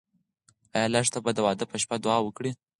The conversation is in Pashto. ایا لښته به د واده په شپه دعا وکړي؟